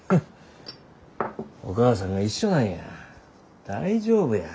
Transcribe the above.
お義母さんが一緒なんや大丈夫や。